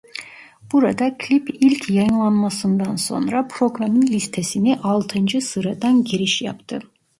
Burada klip ilk yayınlanmasından sonra programın listesine altıncı sıradan giriş yaptı.